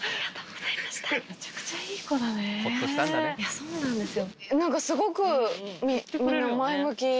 そうなんですよ。